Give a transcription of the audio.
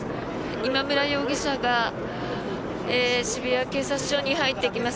今村容疑者が渋谷警察署に入っていきます。